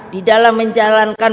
di dalam menjelaskan